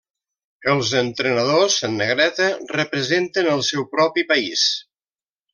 Els entrenadors en negreta representen el seu propi país.